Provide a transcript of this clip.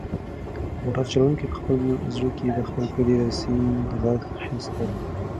موټر چلونکي په خپل زړه کې د خپل کلي د سیند غږ حس کړ.